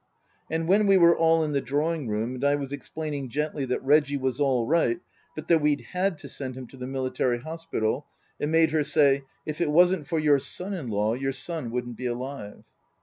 ~nd when we were all in the drawing room and I was explaining gently that Reggie was all right, but that we'd had to send him to the military hospital, it made her say, "If it wasn't for your son in law your son wouldn't be alive."